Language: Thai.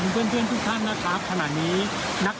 บิริวส์ในจุดนี้ครับ